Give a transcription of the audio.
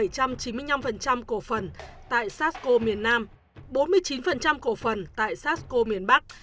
sáu mươi chín bảy trăm chín mươi năm cổ phần tại sasko miền nam bốn mươi chín cổ phần tại sasko miền bắc